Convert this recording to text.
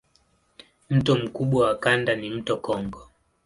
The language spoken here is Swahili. Mto mkubwa wa kanda ni mto Kongo.